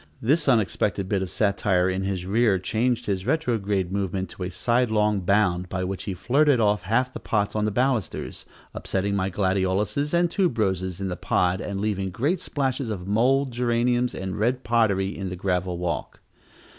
This unexpected bit of satire in his rear changed his retrograde movement to a sidelong bound, by which he flirted off half the pots on the balusters, upsetting my gladioluses and tuberoses in the pod, and leaving great splashes of mould, geraniums, and red pottery in the gravel walk.